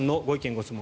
・ご質問